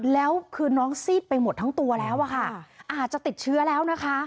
แล้วคือน้องซีดไปหมดทั้งตัวแล้วอะค่ะอาจจะติดเชื้อแล้วนะคะ